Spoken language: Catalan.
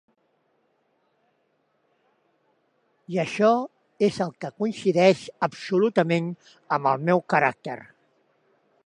I això és el que coincideix absolutament amb el meu caràcter.